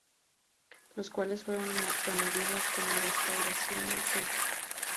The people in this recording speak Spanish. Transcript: Los cuales fueron removidos con la restauración del templo.